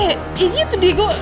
ya gitu diego